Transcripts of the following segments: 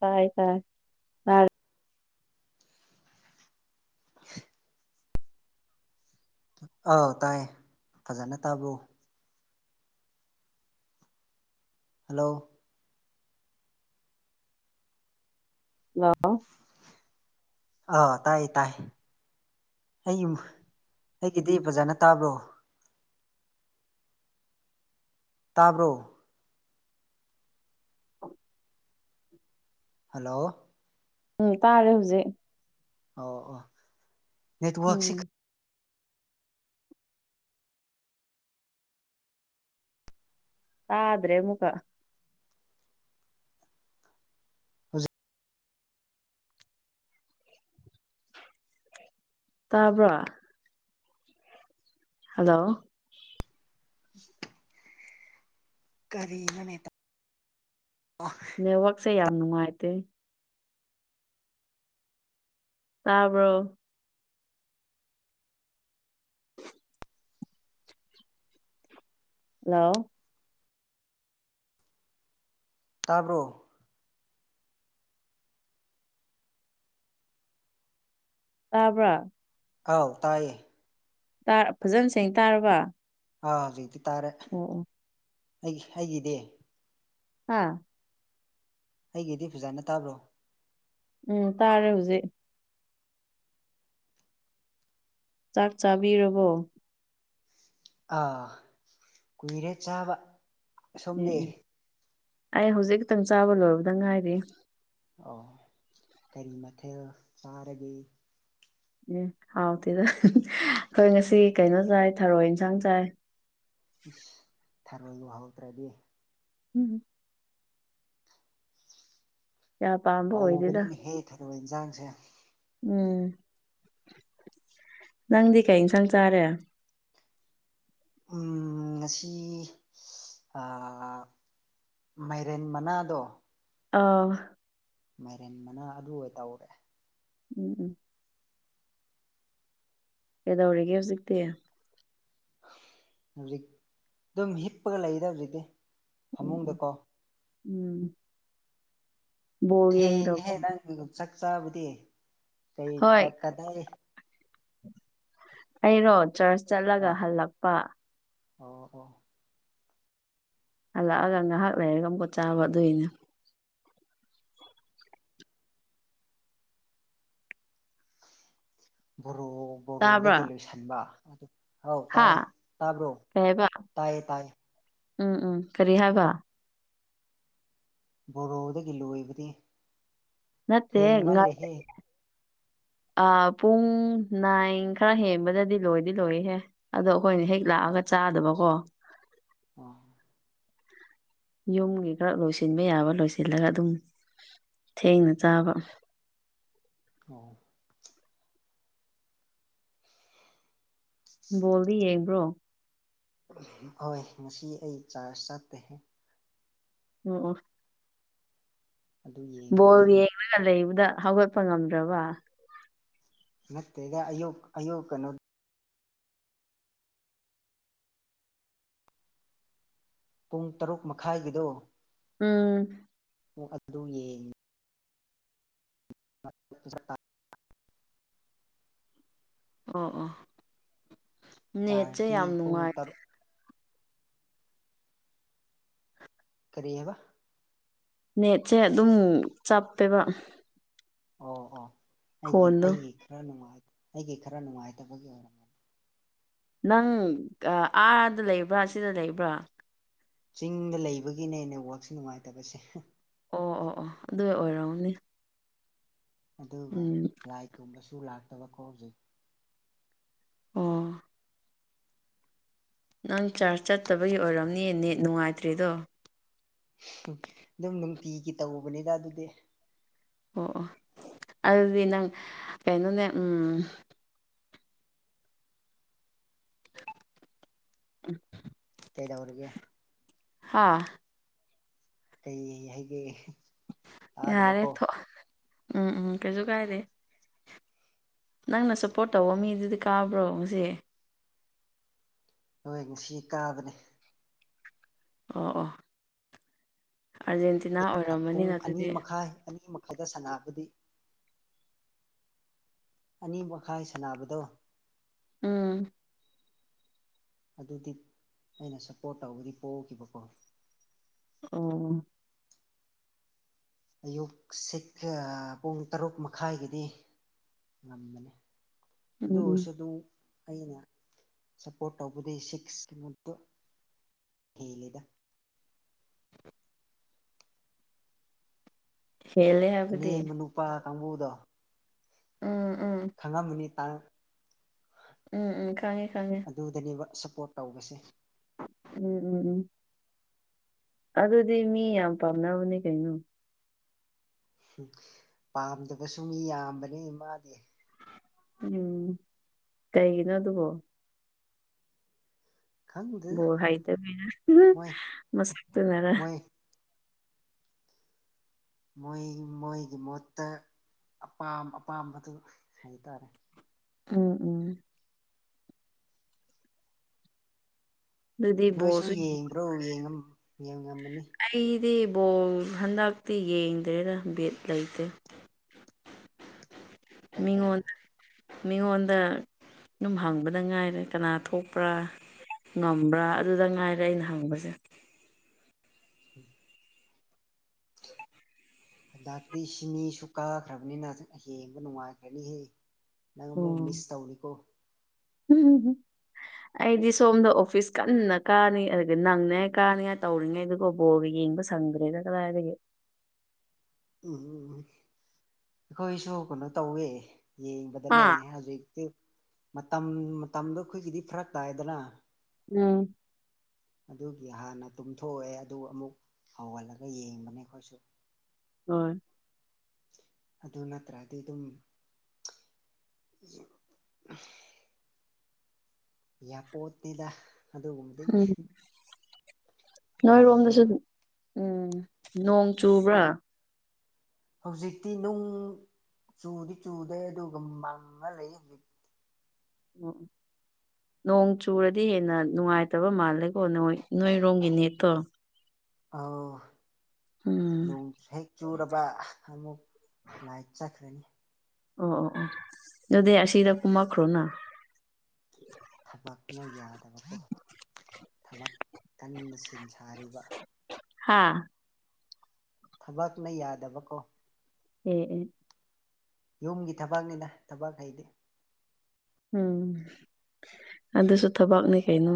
ꯇꯥꯏ ꯇꯥꯏ ꯇꯥꯔꯦ ꯑꯥꯎ ꯇꯥꯏ ꯐꯖꯅ ꯇꯥꯕ꯭ꯔꯣ ꯍꯜꯂꯣ [unintelligible] ꯑꯥ ꯇꯥꯏꯌꯦ ꯇꯥꯏ ꯑꯩ ꯑꯩꯒꯤꯗꯤ ꯐꯥꯖꯅ ꯇꯥꯕ꯭ꯔꯣ? ꯇꯥꯕ꯭ꯔꯣ? ꯍꯜꯂꯣ ꯎꯝ ꯇꯥꯔꯦ ꯍꯨꯖꯤꯛ ꯑꯣ ꯑꯣ ꯅꯦꯠꯋꯥꯔꯛꯁꯤ ꯎꯝ ꯇꯥꯗ꯭ꯔꯦ ꯑꯃꯨꯛꯀ ꯍꯨꯖꯤꯛ ꯇꯥꯕ꯭ꯔꯥ? ꯍꯜꯂꯣ [unintelligible] ꯀꯔꯤꯅꯣꯅꯦ [unintelligible] ꯅꯦꯠꯋꯥꯛꯁꯦ ꯌꯥꯝ ꯅꯨꯡꯉꯥꯏꯇꯦ꯫ ꯇꯥꯕ꯭ꯔꯣ? ꯍꯜꯂꯣ ꯇꯥꯕ꯭ꯔꯣ? ꯇꯥꯕ꯭ꯔꯥ? ꯑꯥꯎ ꯇꯥꯏꯌꯦ ꯇꯥꯔ ꯐꯖꯅ ꯁꯦꯡꯅ ꯇꯥꯔꯕ ꯑꯥ ꯍꯨꯖꯤꯛꯇꯤ ꯇꯥꯔꯦ ꯑꯣ ꯑꯣ ꯑꯩꯒꯤ ꯑꯩꯒꯤꯗꯤ ꯍꯥꯥ ꯑꯩꯒꯤꯗꯤ ꯐꯥꯖꯅ ꯇꯥꯕ꯭ꯔꯣ? ꯎꯝ ꯇꯥꯔꯦ ꯍꯨꯖꯤꯛ꯫ ꯆꯥꯛ ꯆꯥꯕꯤꯔꯕꯣ? ꯑꯥ ꯀꯨꯏꯔꯦ ꯆꯥꯕ꯫ ꯑꯦ ꯁꯣꯝꯗꯤ ꯑꯦ ꯑꯩ ꯍꯧꯖꯤꯛ ꯈꯤꯛꯇꯪ ꯆꯥꯕ ꯂꯣꯏꯕꯗ ꯉꯥꯏꯔꯤ꯫ ꯑꯣ ꯀꯔꯤ ꯃꯊꯦꯜ ꯆꯥꯔꯒꯦ? ꯎꯝ ꯍꯥꯎꯇꯦꯗ ꯑꯈꯣꯏ ꯉꯁꯤ ꯀꯩꯅꯣ ꯆꯥꯏ ꯊꯔꯣꯏ ꯏꯟꯁꯥꯡ ꯆꯥꯏ꯫ ꯏꯁ ꯊꯥꯔꯣꯏꯕꯨ ꯍꯥꯎꯇ꯭ꯔꯥꯗꯤ [unintelligible] ꯀꯌꯥ ꯄꯥꯝꯕ ꯑꯣꯏꯗꯦꯗ ꯍꯥꯎꯕꯅꯤꯅꯦꯍꯦ ꯊꯔꯣꯏ ꯏꯟꯖꯥꯡꯁꯦ ꯎꯝ ꯅꯪꯗꯤ ꯀꯩ ꯏꯟꯁꯥꯡ ꯆꯥꯔꯦ? ꯎꯝ ꯉꯁꯤ ꯑꯥ ꯃꯥꯏꯔꯦꯟ ꯃꯅꯥꯗꯣ ꯑꯧ ꯃꯥꯏꯔꯦꯟ ꯃꯅꯥ ꯑꯗꯨ ꯑꯣꯏ ꯇꯧꯔꯦ ꯎꯝ ꯎꯝ ꯀꯩꯗꯧꯔꯤꯒꯦ ꯍꯨꯖꯤꯛꯇꯤ? ꯍꯧꯖꯤꯛ ꯑꯗꯨꯝ ꯍꯤꯞꯄꯒ ꯂꯩꯗ ꯍꯨꯖꯤꯛꯇꯤ ꯎꯝ ꯎꯝ ꯐꯃꯨꯡꯗꯀꯣ ꯎꯝ ꯕꯣꯜ ꯌꯦꯡꯗ꯭ꯔꯕꯣ ꯊꯦꯡꯉꯦꯍꯦ ꯅꯪ ꯆꯥꯛ ꯆꯥꯕꯗꯤ ꯀꯩ ꯍꯣꯏ ꯀ ꯀꯗꯥꯏ ꯑꯩꯔꯣ ꯆꯔꯆ ꯆꯠꯂꯒ ꯑꯥ ꯍꯜꯂꯛꯄ ꯑꯣ ꯑꯣ ꯍꯜꯂꯛꯑꯒ ꯉꯥꯏꯍꯥꯛ ꯂꯩꯔꯒ ꯑꯃꯨꯛꯀ ꯆꯥꯕ ꯑꯗꯨꯒꯤꯅꯦ ꯕꯣꯔꯣ ꯇꯥꯕ꯭ꯔꯥ ꯕꯣꯔꯣꯗꯒꯤ ꯂꯣꯏꯁꯤꯟꯕ ꯑꯗꯨ ꯍꯥꯎ ꯍꯥ ꯇꯥꯏꯌꯦ ꯇꯥꯕ꯭ꯔꯣ ꯀꯩ ꯍꯥꯏꯕ ꯇꯥꯏꯌꯦ ꯇꯥꯏꯌꯦ ꯎꯝ ꯎꯝ ꯀꯔꯤ ꯍꯥꯏꯕ ꯕꯣꯔꯣꯗꯒꯤ ꯂꯣꯏꯕꯗꯤ ꯅꯠꯇꯦ ꯊꯦꯡꯃꯜꯂꯦꯍꯦ [unintelligible] ꯑꯥ ꯄꯨꯡ ꯅꯥꯏꯟ ꯈꯔꯥ ꯍꯦꯟꯕꯗꯗꯤ ꯂꯣꯏꯗꯤ ꯂꯣꯏꯍꯦ ꯑꯗꯣ ꯑꯩꯈꯣꯏꯅ ꯍꯦꯛ ꯑꯣ ꯂꯥꯛꯑꯒ ꯆꯥꯗꯕꯀꯣ ꯑꯣ ꯌꯨꯝꯒꯤ ꯈꯔ ꯂꯣꯏꯁꯤꯟꯕ ꯌꯥꯕ ꯂꯣꯏꯁꯤꯜꯂꯒ ꯑꯗꯨꯝ ꯊꯦꯡꯅ ꯆꯥꯕ ꯑꯣ ꯕꯣꯜꯗꯤꯌꯦꯕ꯭ꯔꯣ ꯍꯣꯏ ꯉꯁꯤ ꯑꯩ ꯆꯥꯔꯖ ꯆꯠꯇꯦꯍꯦ ꯑꯣ ꯑꯣ ꯑꯗꯨ ꯌꯦꯡꯕꯒꯤ ꯕꯣꯜ ꯌꯦꯡꯂꯒ ꯂꯩꯕꯗ ꯍꯧꯒꯠꯄ ꯉꯝꯗ꯭ꯔꯥꯕ ꯅꯠꯇꯦꯗ ꯑꯌꯨꯛ ꯑꯌꯨꯛ ꯀꯩꯅꯣ ꯄꯨꯡ ꯇꯔꯨꯛ ꯃꯈꯥꯏꯒꯤꯗꯣ ꯎꯝ ꯑꯣ ꯑꯗꯨ ꯌꯦꯡ [unintelligible] ꯑꯣ ꯑꯣ ꯅꯦꯠꯁꯦ ꯆꯥꯔꯖꯇꯤ ꯌꯥꯝ ꯄꯨꯡ ꯅꯨꯡꯉꯥꯏ ꯇꯔꯨꯛ ꯀꯔꯤ ꯍꯥꯏꯕ ꯅꯦꯠꯁꯦ ꯑꯗꯨꯝ ꯆꯞꯄꯦꯕ ꯑꯣ ꯑꯣ ꯑꯩꯒꯤ ꯐꯣꯟꯗꯣ ꯑꯩꯒꯤ ꯈꯔ ꯅꯨꯡꯉꯥꯏ ꯑꯩꯒꯤ ꯈꯔ ꯅꯨꯡꯉꯥꯏꯇꯕꯒꯤ ꯑꯣꯏꯔꯝꯃꯅꯤ ꯅꯪ ꯑꯥꯗ ꯂꯩꯕ꯭ꯔꯥ ꯁꯤꯗ ꯂꯩꯕ꯭ꯔꯥ ꯆꯤꯡꯗ ꯂꯩꯕꯒꯤꯅꯦ ꯅꯦꯠ ꯋꯥꯛꯁꯦ ꯅꯨꯡꯉꯥꯏꯇꯕꯁꯦ ꯑꯣ ꯑꯣ ꯑꯣ ꯑꯗꯨꯏ ꯑꯣꯏꯔꯝꯅꯤ ꯑꯗꯨꯒ ꯎꯝ ꯂꯥꯏ ꯀꯨꯝꯕꯁꯨ ꯂꯥꯛꯇꯕꯀꯣ ꯍꯧꯖꯤꯛ ꯑꯣ ꯅꯪ ꯆꯥꯔꯖ ꯆꯠꯇꯕꯒꯤ ꯑꯣꯏꯔꯝꯅꯦ ꯅꯦꯠ ꯅꯨꯡꯉꯥꯏꯇ꯭ꯔꯤꯗꯣ ꯑꯗꯨꯝ ꯅꯨꯡꯇꯤꯒꯤ ꯇꯧꯕꯅꯤꯗ ꯑꯗꯨꯗꯤ ꯑꯣ ꯑꯣ ꯑꯗꯨꯗꯤ ꯅꯪ ꯀꯩꯅꯣꯅꯦ ꯎꯝ ꯎꯝ ꯀꯩꯗꯧꯔꯤꯒꯦ ꯍꯥꯥ ꯀꯩ ꯍꯥꯏꯒꯦ ꯌꯥꯔꯦ ꯇꯥꯗꯕꯀꯣ ꯊꯣꯛꯑꯣ ꯎꯝ ꯎꯝ ꯀꯩꯁꯨ ꯀꯥꯏꯗꯦ ꯅꯪꯅ ꯁꯞꯄꯣꯔꯠ ꯇꯧꯕ ꯃꯤꯗꯨꯗꯤ ꯀꯥꯕ꯭ꯔꯣ ꯉꯁꯤ ꯍꯣꯏ ꯉꯁꯤ ꯀꯥꯒꯅꯤ ꯑꯣ ꯑꯣ ꯑꯥꯔꯖꯦꯟꯇꯤꯅꯥ ꯑꯣꯏꯔꯝꯃꯅꯤꯅ ꯑꯗꯨꯗꯤ ꯍꯣꯏ ꯑꯅꯤꯃꯛ ꯈꯥꯗ ꯁꯥꯟꯅꯕꯗꯤ ꯑꯅꯤ ꯃꯈꯥꯏ ꯁꯥꯟꯅꯕꯗꯣ ꯎꯝ ꯑꯗꯨꯗꯤ ꯑꯩꯅ ꯁꯞꯄꯣꯔꯠ ꯇꯧꯕꯗꯤ ꯄꯣꯈꯤꯕꯀꯣ ꯑꯣ ꯑꯌꯨꯛ ꯁꯤꯒ ꯄꯨꯡ ꯇꯔꯨꯛ ꯃꯈꯥꯏꯒꯤꯗꯤ ꯉꯟꯕꯅꯤ ꯑꯗꯣ ꯎꯝ ꯎꯝ ꯑꯣꯏꯔꯁꯨ ꯑꯗꯨꯝ ꯑꯩꯅ ꯁꯞꯄꯣꯔꯠ ꯇꯧꯕꯗꯤ ꯁꯤꯛꯁꯃꯨꯛꯀ ꯍꯦꯜꯂꯤꯗ ꯍꯦꯜꯂꯦ ꯍꯥꯏꯕꯗꯤ ꯑꯅꯦꯝꯕ ꯅꯨꯄꯥ ꯀꯥꯡꯕꯨꯗꯣ ꯎꯝ ꯎꯝ ꯈꯪꯉꯝꯒꯅꯤꯇꯥ ꯎꯝ ꯎꯝ ꯈꯪꯉꯦ ꯈꯪꯉꯦ ꯑꯗꯨꯗꯅꯦꯕ ꯁꯞꯄꯣꯔꯠ ꯇꯧꯕꯁꯦ ꯎꯝ ꯎꯝ ꯎꯝ ꯑꯗꯨꯗꯤ ꯃꯤ ꯌꯥꯝ ꯄꯥꯝꯅꯕꯅꯦ ꯀꯩꯅꯣ ꯄꯥꯝꯗꯕꯁꯨ ꯃꯤ ꯌꯥꯝꯕꯅꯤ ꯃꯥꯗꯤ ꯎꯝ ꯀꯩꯒꯤꯅꯣ ꯑꯗꯨꯕꯣ ꯈꯪꯗꯦ ꯕꯣꯜ ꯍꯩꯇꯕꯅꯤ [unintelligible] ꯃꯣꯏ ꯃꯁꯛꯇꯨꯅꯔ ꯃꯣꯏ ꯃꯣꯏ ꯃꯣꯏꯒꯤ ꯃꯣꯠꯇ ꯑꯄꯥꯝ ꯑꯄꯥꯝꯕꯗꯨ ꯍꯥꯏꯇꯥꯔꯦ ꯎꯝ ꯎꯝ ꯑꯗꯨꯗꯤ ꯅꯣꯏꯁꯨ ꯕꯣꯜꯁꯨ ꯌꯦꯡꯕ꯭ꯔꯣ ꯌꯦꯡꯉꯝ ꯌꯦꯡꯉꯝꯃꯅꯤ ꯑꯩꯗꯤ ꯕꯣꯜ ꯍꯟꯗꯛꯇꯤ ꯌꯦꯡꯗ꯭ꯔꯦꯗ ꯕꯤꯠ ꯂꯩꯇꯦ ꯀꯩꯗꯧꯕ ꯃꯤꯉꯣꯟ ꯃꯤꯉꯣꯟꯗ ꯑꯗꯨꯝ ꯍꯪꯕꯗ ꯉꯥꯏꯔꯦ ꯀꯅꯥ ꯊꯣꯛꯄ꯭ꯔꯥ ꯉꯝꯕ꯭ꯔꯥ ꯑꯗꯨꯗ ꯉꯥꯏꯔꯦ ꯑꯩꯅ ꯍꯪꯕꯁꯦ [inaudible] ꯍꯟꯗꯛꯇꯤ ꯁꯤꯅꯤꯁꯨ ꯀꯥꯈ꯭ꯔꯕꯅꯤꯅ ꯌꯦꯡꯕ ꯅꯨꯡꯉꯥꯏꯈ꯭ꯔꯅꯤꯍꯦ ꯅꯪ ꯑꯃꯨꯛ ꯃꯤꯁ ꯇꯧꯔꯤꯀꯣ ꯍꯨꯝ ꯍꯨꯝ ꯑꯩꯗꯤ ꯁꯣꯝꯗ ꯑꯣꯐꯤꯁ ꯀꯟꯅ ꯀꯥꯅꯤ ꯑꯗꯨꯒ ꯅꯪꯅꯤꯉꯥꯏ ꯀꯥꯅꯤꯉꯥꯏ ꯇꯧꯔꯤꯉꯩꯗꯀꯣ ꯕꯣꯜꯒ ꯌꯦꯡꯕ ꯁꯪꯗ꯭ꯔꯦꯗ ꯀꯗꯥꯥꯏꯗꯒꯤ ꯎꯝ ꯎꯝ ꯑꯩꯈꯣꯏꯁꯨ ꯀꯩꯅꯣ ꯇꯧꯋꯦ ꯍꯥ ꯌꯦꯡꯕꯗꯅꯦ ꯍꯧꯖꯤꯛꯇꯤ ꯃꯇꯝ ꯃꯇꯝꯗꯣ ꯑꯩꯈꯣꯏꯒꯤꯗꯤ ꯐꯔꯛ ꯇꯥꯏꯗꯅ ꯎꯝ ꯑꯗꯨꯒꯤ ꯍꯥꯟꯅ ꯇꯨꯝꯊꯣꯛꯑꯦ ꯑꯗꯨ ꯑꯃꯨꯛ ꯍꯧꯍꯜꯂꯒ ꯌꯦꯡꯕꯅꯦ ꯑꯩꯈꯣꯏꯁꯨ ꯍꯣꯏ ꯑꯗꯨ ꯅꯠꯇ꯭ꯔꯗꯤ ꯑꯗꯨꯝ [unintelligible] ꯌꯥꯄꯣꯠꯇꯦꯗ ꯑꯗꯨꯒꯨꯝꯕꯗꯤ ꯎꯝ ꯉꯝꯗꯕ ꯅꯣꯏꯔꯣꯝꯗꯁꯨ ꯎꯝ ꯅꯣꯡ ꯆꯨꯕ꯭ꯔꯥ ꯍꯧꯖꯤꯛꯇꯤ ꯅꯨꯡ ꯆꯨꯗꯤ ꯆꯨꯗꯦ ꯑꯗꯨꯒ ꯃꯪꯉꯥ ꯂꯩ ꯍꯧꯖꯤꯛ ꯎꯝ ꯅꯣꯡ ꯆꯨꯔꯗꯤ ꯍꯦꯟꯅ ꯅꯨꯡꯉꯥꯏꯇꯕ ꯃꯥꯜꯂꯦꯀꯣ ꯅꯣꯏ ꯅꯣꯏꯔꯣꯝꯒꯤ ꯅꯦꯠꯇꯣ ꯑꯧ ꯎꯝ ꯅꯣꯡ ꯍꯦꯛ ꯆꯨꯔꯕ ꯑꯃꯨꯛ ꯂꯥꯏꯠ ꯆꯠꯈ꯭ꯔꯅꯤ ꯑꯣ ꯑꯣ ꯑꯣ ꯑꯗꯨꯗꯤ ꯑꯁꯤꯗ ꯀꯨꯝꯃꯛꯈ꯭ꯔꯣꯅ ꯊꯕꯛꯅ ꯌꯥꯗꯕ ꯊꯕꯛ ꯀꯟꯅ ꯁꯦꯝ ꯁꯥꯔꯤꯕ ꯍꯥꯥ ꯊꯕꯛꯅ ꯌꯥꯗꯕꯀꯣ ꯑꯦ ꯑꯦ ꯌꯨꯝꯒꯤ ꯊꯕꯛꯅꯤꯗ ꯊꯕꯛ ꯍꯥꯏꯗꯤ ꯎꯝ ꯑꯗꯨꯁꯨ ꯊꯕꯛꯅꯤ ꯀꯩꯅꯣ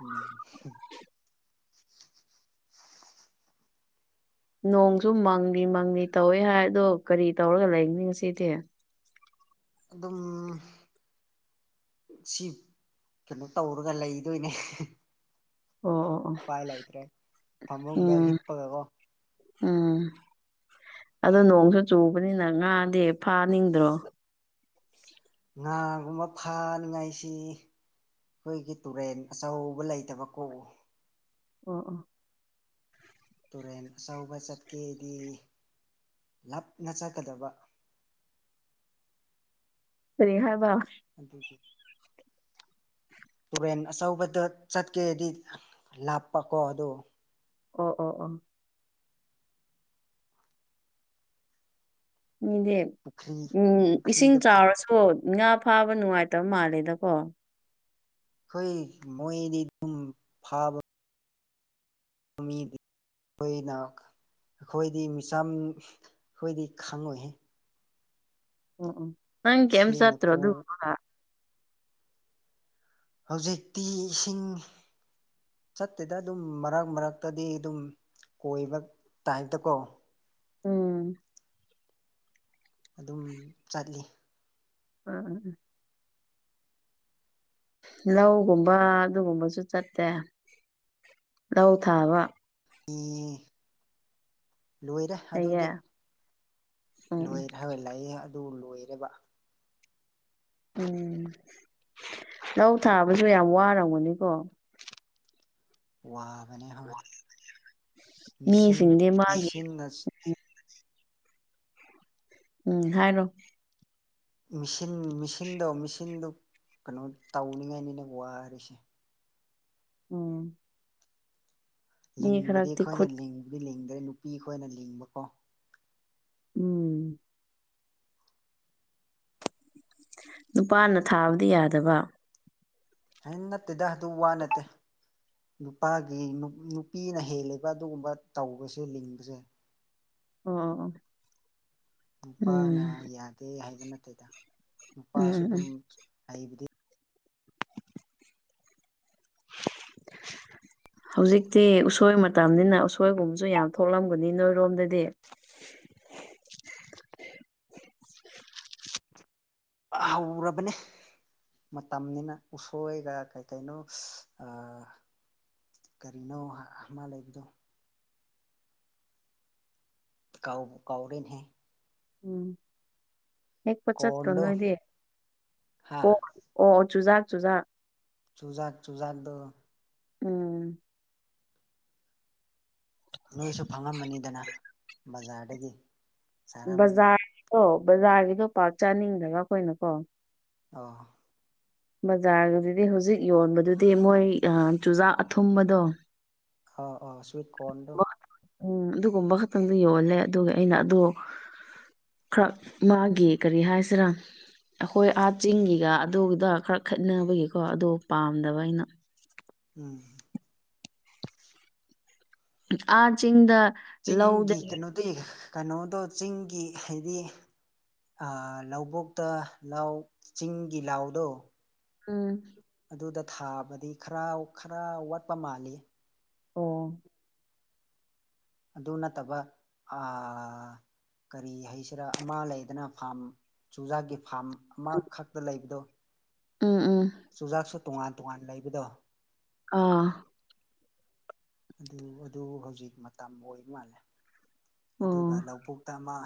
ꯎꯝ ꯍꯨꯝ ꯅꯣꯡꯁꯨ ꯃꯪꯂꯤ ꯃꯪꯂꯤ ꯇꯧꯋꯦ ꯍꯥꯏ ꯑꯗꯣ ꯀꯔꯤ ꯇꯧꯔꯒ ꯂꯩꯅꯤ ꯉꯁꯤꯗꯤ ꯑꯗꯨꯝ ꯁꯤ ꯀꯩꯅꯣ ꯇꯧꯔꯒ ꯂꯩꯗꯣꯏꯅꯦ ꯑꯣ ꯑꯣ ꯑꯣ ꯎꯄꯥꯏ ꯂꯩꯇ꯭ꯔꯦ ꯐꯃꯨꯡꯗ ꯎꯝ ꯍꯤꯞꯄꯒ ꯀꯣ ꯎꯝ ꯑꯗꯣ ꯅꯣꯡꯖꯨ ꯆꯨꯕꯅꯤꯅ ꯉꯥꯗꯤ ꯐꯥꯅꯤꯡꯗ꯭ꯔꯣ ꯉꯥꯒꯨꯝꯕ ꯐꯥꯅꯤꯡꯉꯥꯏꯁꯤ ꯑꯩꯈꯣꯏꯒꯤ ꯇꯨꯔꯦꯟ ꯑꯆꯧꯕ ꯂꯩꯇꯕ ꯀꯣ ꯑꯣ ꯑꯣ ꯇꯨꯔꯦꯟ ꯑꯆꯧꯕ ꯆꯠꯀꯦꯗꯤ ꯂꯞꯅ ꯆꯠꯀꯗꯕ ꯀꯔꯤ ꯍꯥꯏꯕ ꯑꯗꯨꯒꯤ ꯇꯨꯔꯦꯟ ꯑꯆꯧꯕꯗ ꯆꯠꯀꯦꯗꯤ ꯂꯥꯞꯄꯀꯣ ꯑꯗꯣ ꯑꯣ ꯑꯣ ꯑꯣ ꯃꯤꯗꯤ ꯄꯨꯈ꯭ꯔꯤ ꯎꯝ ꯏꯁꯤꯡ ꯄꯨꯈ꯭ꯔꯤꯗ ꯆꯥꯎꯔꯁꯨ ꯑꯣ ꯉꯥ ꯐꯥꯕ ꯅꯨꯡꯉꯥꯏꯇꯕ ꯃꯥꯜꯂꯦꯗꯀꯣ ꯍꯣꯏ ꯃꯣꯏꯗꯤ ꯗꯨꯡ ꯐꯥꯕ ꯃꯤꯗꯤ ꯈꯣꯏꯅ ꯑꯩꯈꯣꯏꯗꯤ ꯃꯤꯆꯝ ꯑꯩꯈꯣꯏꯗꯤ ꯈꯪꯉꯣꯏꯍꯦ ꯎꯝ ꯎꯝ ꯅꯪ ꯀꯦꯝ ꯏꯁꯤꯡꯅ ꯆꯠꯇ꯭ꯔꯣ ꯄꯨ ꯑꯗꯨ ꯍꯧꯖꯤꯛꯇꯤ ꯏꯁꯤꯡ ꯆꯠꯇꯦꯗ ꯑꯗꯨꯝ ꯃꯔꯛ ꯃꯔꯛꯇꯗꯤ ꯑꯗꯨꯝ ꯀꯣꯏꯕ ꯇꯥꯏꯞꯇꯀꯣ ꯎꯝ ꯑꯗꯨꯝ ꯆꯠꯂꯤ ꯑꯥ ꯂꯧꯒꯨꯝꯕ ꯑꯗꯨꯒꯨꯝꯕꯁꯨ ꯆꯠꯇꯦ ꯂꯧ ꯊꯥꯕ ꯏꯏ ꯂꯣꯏꯔꯦ ꯂꯩꯌꯦ ꯑꯗꯨꯗꯤ ꯎꯝ ꯂꯣꯏꯔꯦ ꯍꯥꯏꯕ ꯂꯩꯌꯦ ꯑꯗꯨ ꯂꯣꯏꯔꯦꯕ ꯎꯝ ꯂꯧ ꯊꯥꯕꯁꯨ ꯌꯥꯝ ꯋꯥꯔꯝꯒꯅꯤꯀꯣ ꯋꯥꯕꯅꯦ ꯍꯣꯏ ꯃꯤꯁꯤꯡ ꯃꯤꯁꯤꯡꯗꯤ ꯃꯥꯒꯤ ꯃꯤꯁꯤꯡ ꯅꯥꯁꯤꯡ ꯎꯝ ꯍꯥꯏꯔꯣ ꯃꯤꯁꯤꯟ ꯃꯤꯁꯤꯟꯗꯣ ꯃꯤꯁꯤꯟꯗꯣ ꯀꯩꯅꯣ ꯇꯧꯅꯤꯡꯉꯥꯏꯅꯤꯅꯦ ꯋꯥꯔꯤꯁꯦ ꯎꯝ ꯃꯤ ꯂꯤꯡꯕꯗꯤ ꯈꯔꯛꯇꯤ ꯑꯩꯈꯣꯏꯅ ꯈꯨꯠ ꯂꯤꯡꯕꯗꯤ ꯂꯤꯡꯗ꯭ꯔꯦ ꯅꯨꯄꯤ ꯈꯣꯏꯅ ꯂꯤꯡꯕꯀꯣ ꯎꯝ ꯅꯨꯄꯥꯅ ꯊꯥꯕꯗꯤ ꯌꯥꯗꯕ ꯑꯦ ꯅꯠꯇꯦꯗ ꯑꯗꯨ ꯋꯥ ꯅꯠꯇꯦ ꯅꯨꯄꯥꯒꯤ ꯅꯨ ꯅꯨꯄꯤꯅ ꯍꯦꯜꯂꯤꯕ ꯑꯗꯨꯒꯨꯝꯕ ꯇꯧꯕꯁꯦ ꯂꯤꯡꯕꯁꯦ ꯑꯣ ꯑꯣ ꯎꯝ ꯅꯨꯄꯥꯅ ꯌꯥꯗꯦ ꯍꯥꯏꯕ ꯅꯠꯇꯦꯗ ꯎꯝ ꯅꯨꯄꯥꯁꯨ ꯎꯝ ꯎꯝ ꯑꯗꯨꯝ ꯍꯩꯕꯗꯤ [unintelligible] ꯍꯧꯖꯤꯛꯇꯤ ꯎꯁꯣꯏ ꯃꯇꯝꯅꯤꯅ ꯎꯁꯣꯏꯒꯨꯝꯕꯁꯨ ꯌꯥꯝ ꯊꯣꯛꯂꯝꯒꯅꯤ ꯅꯣꯏꯔꯣꯝꯗꯗꯤ ꯑꯍꯧꯔꯕꯅꯦ ꯃꯇꯝꯅꯤꯅ ꯎꯁꯣꯏꯒ ꯀꯩ ꯀꯩꯅꯣ ꯑꯥ ꯀꯔꯤꯅꯣ ꯑꯥ ꯑꯃꯥ ꯂꯩꯕꯗꯣ ꯀꯥꯎꯕꯨ ꯀꯥꯎꯔꯦ ꯅꯦꯍꯦ ꯎꯝ ꯍꯦꯛꯄ ꯆꯠꯇ꯭ꯔꯣ ꯀꯣꯔꯟꯗꯣ ꯅꯣꯏꯗꯤ ꯍꯥ ꯑꯣꯛ ꯑꯣ ꯑꯣ ꯆꯨꯖꯥꯛ ꯆꯨꯖꯥꯛ ꯆꯨꯖꯥꯛ ꯆꯨꯖꯥꯛꯗꯣ ꯎꯝ ꯅꯣꯏꯁꯨ ꯐꯪꯉꯝꯃꯅꯤꯗꯅ ꯕꯖꯥꯔꯗꯒꯤ ꯆꯥꯔꯝꯃꯅꯤ ꯕꯖꯥꯔꯒꯤꯗꯣ ꯕꯖꯥꯔꯒꯤꯗꯣ ꯄꯥꯛ ꯆꯥꯅꯤꯡꯗꯕ ꯑꯈꯣꯏꯅꯀꯣ ꯑꯥ ꯕꯖꯥꯔꯒꯤꯗꯨꯗꯤ ꯍꯧꯖꯤꯛ ꯌꯣꯟꯕꯗꯨꯗꯤ ꯃꯣꯏ ꯑꯥ ꯆꯨꯖꯥꯛ ꯑꯊꯨꯝꯕꯗꯣ ꯑꯥ ꯑꯥ ꯁ꯭ꯋꯤꯠ ꯀꯣꯔꯟ ꯗꯣ ꯎꯝ ꯑꯗꯨꯒꯨꯝꯕ ꯈꯛꯇꯪꯗꯤ ꯌꯣꯜꯂꯦ ꯑꯗꯨꯒ ꯑꯩꯅ ꯑꯗꯨ ꯈ꯭ꯔ ꯃꯥꯒꯤ ꯀꯔꯤ ꯍꯥꯏꯁꯤꯔꯥ ꯑꯈꯣꯏ ꯑꯥ ꯆꯤꯡꯒꯤꯒ ꯑꯗꯨꯗ ꯈꯔ ꯈꯦꯠꯅꯕꯒꯤꯀꯣ ꯑꯗꯣ ꯄꯥꯝꯗꯕ ꯑꯩꯅ ꯎꯝ ꯑꯥ ꯆꯤꯡꯗ ꯆꯤꯡꯒꯤ ꯂꯧꯗꯒꯤ ꯀꯩꯅꯣꯗꯤ ꯀꯅꯣꯗꯣ ꯆꯤꯡꯒꯤ ꯍꯩꯗꯤ ꯑꯥ ꯂꯧꯕꯨꯛꯇ ꯂꯧ ꯆꯤꯡꯒꯤ ꯂꯥꯎꯗꯣ ꯎꯝ ꯑꯗꯨꯗ ꯊꯥꯕꯗꯤ ꯈꯔ ꯈꯔ ꯋꯥꯠꯄ ꯃꯥꯜꯂꯤ ꯑꯣ ꯑꯗꯨ ꯅꯠꯇꯕ ꯑꯥ ꯀꯔꯤ ꯍꯥꯏꯁꯤꯔꯥ ꯑꯃ ꯂꯩꯗꯅ ꯐꯥꯝ ꯆꯨꯖꯥꯛꯀꯤ ꯐꯥꯝ ꯑꯃꯈꯛꯇ ꯂꯩꯕꯗꯣ ꯎꯝ ꯎꯝ ꯆꯨꯖꯥꯛꯁꯨ ꯇꯣꯉꯥꯟ ꯇꯣꯉꯥꯟ ꯂꯩꯕꯗꯣ ꯑꯥ ꯑꯗꯨ ꯑꯗꯨ ꯍꯧꯖꯤꯛ ꯃꯇꯝ ꯑꯣꯏꯕ ꯃꯥꯜꯂꯦ ꯑꯣ ꯑꯗꯨꯒ ꯂꯧꯕꯨꯛꯇ ꯑꯃ